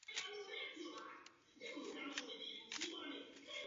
O čtyři roky později se stal doktorem aplikované fyziky na Stanfordově univerzitě.